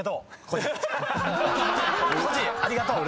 こじありがとう！